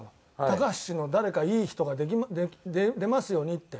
「高橋の誰かいい人が出ますようにって」